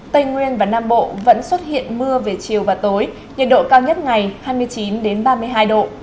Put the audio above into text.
tây nguyên và nam bộ vẫn xuất hiện mưa về chiều và tối nhiệt độ cao nhất ngày hai mươi chín ba mươi hai độ